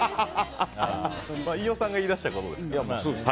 飯尾さんが言い出したことですから。